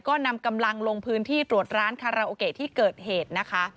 ก็นำกำลังลงพื้นที่ตรวจร้านคาราโอเกะที่เกิดเหตุนะคะ